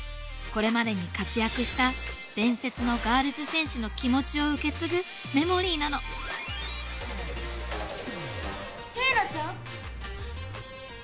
これまでに活躍した伝説のガールズ×戦士の気持ちを受け継ぐメモリーなのセイラちゃん？